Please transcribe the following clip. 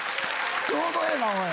ちょうどええわおい。